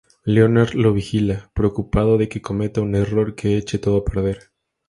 Leonard lo vigila, preocupado de que cometa un error que eche todo a perder.